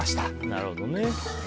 なるほどね。